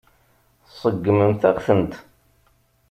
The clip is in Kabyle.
Tseggmemt-aɣ-tent.